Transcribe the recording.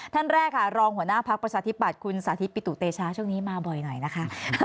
ท่านแรกค่ะรองหัวหน้าพักประชาธิปัตย์คุณสาธิตปิตุเตชาช่วงนี้มาบ่อยหน่อยนะคะ